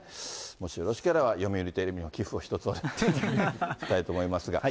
もしよろしければ読売テレビに寄付を一つお願いしたいと思いますが。